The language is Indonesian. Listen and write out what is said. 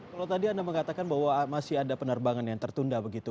kalau tadi anda mengatakan bahwa masih ada penerbangan yang tertunda begitu